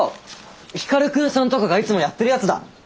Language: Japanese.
光くんさんとかがいつもやってるやつだ。